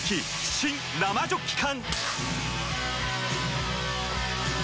新・生ジョッキ缶！